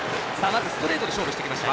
ストレートで勝負してきました。